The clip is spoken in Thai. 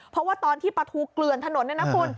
เพราะว่าตอนที่ปลาทูเกลือนถนนเนี่ยนะคุณ